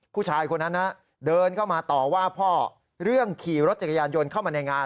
ผู้ชายคนนั้นเดินเข้ามาต่อว่าพ่อเรื่องขี่รถจักรยานยนต์เข้ามาในงาน